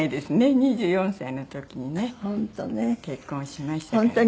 ２４歳の時にね結婚しましたからね。